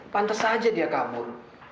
pantes aja dia kabur